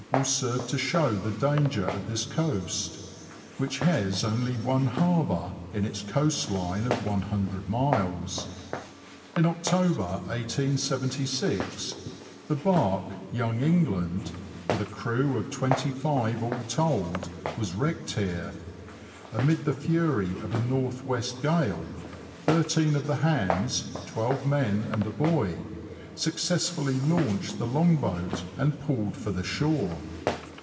will serve to show the danger of this coast, which has only one harbour in its coast line of lOO miles. In October, 1876, the barque ''Young England," with a crew of twenty five all told, was wrecked here. Amid the fury of a north west gale, thirteen of the hands (twelve men and a boy) successfully launched the long boat, and pulled for the shore.